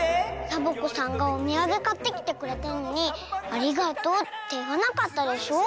サボ子さんがおみやげかってきてくれたのに「ありがとう」っていわなかったでしょ。